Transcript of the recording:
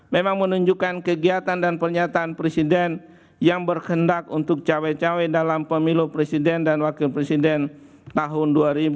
memang menunjukkan kegiatan dan pernyataan presiden yang berkendak untuk cawe cawe dalam pemilu presiden dan wakil presiden tahun dua ribu dua puluh